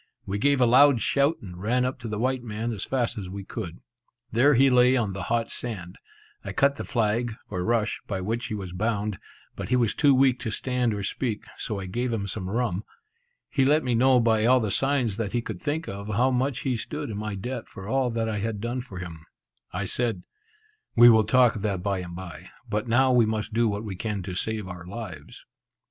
We gave a loud shout, and ran up to the white man as fast as we could. There he lay on the hot sand. I cut the flag, or rush, by which he was bound, but he was too weak to stand or speak, so I gave him some rum. He let me know by all the signs that he could think of, how much he stood in my debt for all that I had done for him. I said, "We will talk of that bye and bye; but now we must do what we can to save our lives."